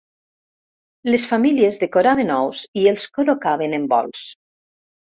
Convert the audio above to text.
Les famílies decoraven ous i els col·locaven en bols.